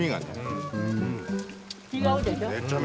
違うでしょ？